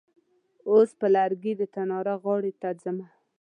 اوس په لرګي د تناره غاړې ته ځمه.